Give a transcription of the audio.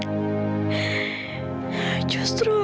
tapi kamu mungkin juga sudah tersangkut